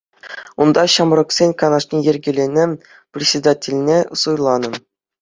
Унта ҫамрӑксен канашне йӗркеленӗ, председательне суйланӑ.